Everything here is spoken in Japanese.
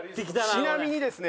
ちなみにですね